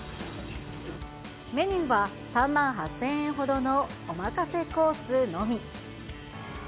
メニューは、３万８０００円ほどのお任せコースのみ。